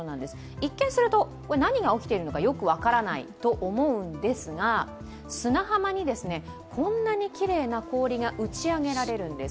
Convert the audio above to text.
一見すると何が起きているのかよく分からないと思うんですが砂浜にこんなにきれいな氷が打ち上げられるんですす。